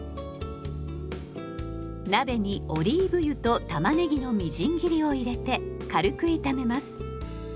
鍋にオリーブ油とたまねぎのみじん切りを入れて軽く炒めます。